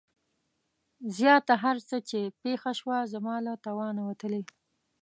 زياته هر څه چې پېښه شوه زما له توانه وتلې.